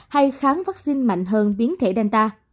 hay kháng vaccine mạnh hơn biến thể delta